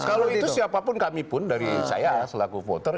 kalau itu siapapun kami pun dari saya selaku voter